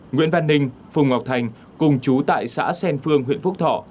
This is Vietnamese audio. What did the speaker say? nguyễn văn ninh phùng ngọc thành cùng chú tại xã sen phương huyện phúc thọ